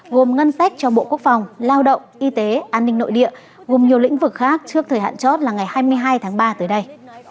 gồm ngân sách cho bộ quốc phòng lao động y tế an ninh nội địa gồm nhiều lĩnh vực khác trước thời hạn chót là ngày hai mươi hai tháng ba tới đây